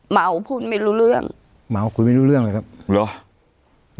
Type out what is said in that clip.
เมาพูดไม่รู้เรื่องเมาคุยไม่รู้เรื่องเลยครับเหรอ